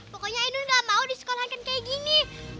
pokoknya ainun gak mau disekolahin kayak gini